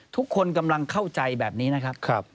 ทุกคนกำลังเข้าใจแบบนี้นะครับ